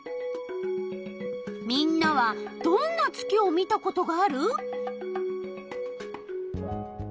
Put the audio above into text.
みんなはどんな月を見たことがある？